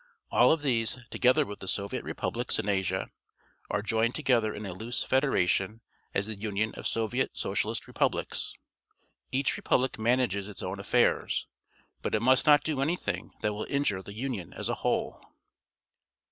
All of these, together with the Soviet Republics in Asia, are joined together in a loose federation as the Union, of Soviet Socialist Republics. Each republic manages its ovm affairs, but it must not do anj^thing that will injure the Union as a whole.